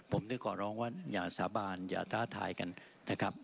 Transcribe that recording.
ผมได้ขอร้องว่าอย่าสาบานอย่าท้าทายกันนะครับ